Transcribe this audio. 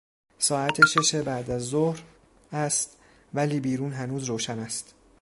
ساعت شش بعداز ظهر است ولی بیرون هنوز روشن است.